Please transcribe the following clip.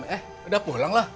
eh udah pulanglah